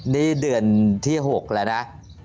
นี่เดือนที่๖แล้วนะ